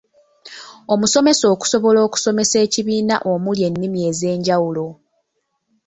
Omusomesa okusobola okusomesa ekibiina omuli ennimi ez’enjawulo.